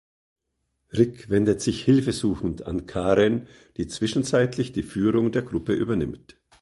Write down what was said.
Rick wendet sich hilfesuchend an Karen, die zwischenzeitlich die Führung der Gruppe übernimmt.